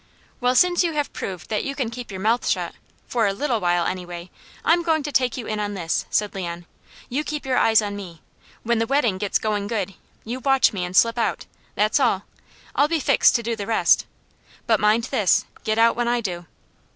"Well, since you have proved that you can keep your mouth shut, for a little while, anyway, I'm going to take you in on this," said Leon. "You keep your eyes on me. When the wedding gets going good, you watch me, and slip out. That's all! I'll be fixed to do the rest. But mind this, get out when I do."